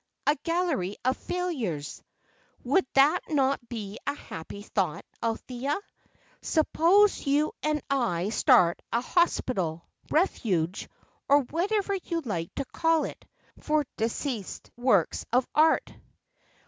'A gallery of failures.' Would that not be a happy thought, Althea? Suppose you and I start a hospital, refuge, or whatever you like to call it, for diseased works of art?